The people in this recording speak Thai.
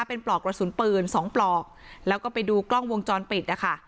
เป็นปลอกกระสุนปืนสองปลอกแล้วก็ไปดูกล้องวงจรปิดนะคะ